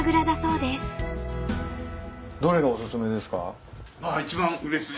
どれがお薦めですか？